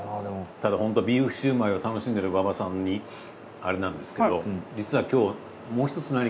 ただホントビーフシュウマイを楽しんでる馬場さんにあれなんですけど実は今日。